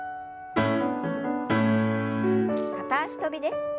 片脚跳びです。